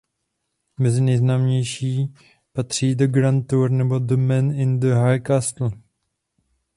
Mezi nejznámější patří The Grand Tour nebo The Man in the High Castle.